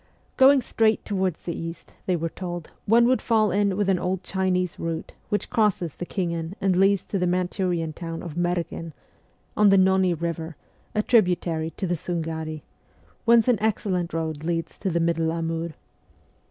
Going straight towards the east, they were told, one would fall in with an old Chinese route which crosses the Khingan and leads to the Manchurian town of Merghen (on the Nonni river, a tributary to the Sungari), whence an excellent road leads to the middle Amur.